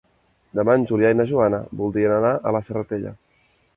Demà en Julià i na Joana voldrien anar a la Serratella.